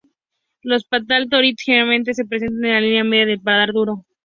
Los palatal tori generalmente se presentan en la línea media del paladar duro.